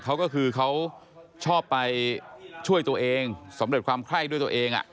เขาก็คือเขาชอบไปช่วยตัวเองสำเร็จความไข้ด้วยตัวเอง